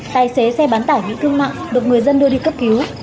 tài xế xe bán tải bị cưng mạng được người dân đưa đi cấp cứu